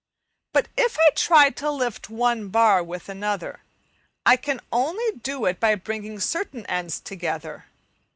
But if I try to lift one bar with another, I can only do it by bringing certain ends together.